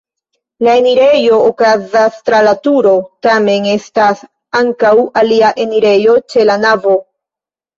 La enirejo okazas tra la turo, tamen estas ankaŭ alia enirejo ĉe la navo.